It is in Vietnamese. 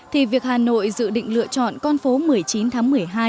thì việc hà nội dự định lựa chọn con phố một mươi chín tháng một mươi hai